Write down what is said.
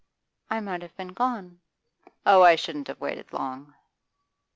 'I might have been gone.' 'Oh, I shouldn't have waited long.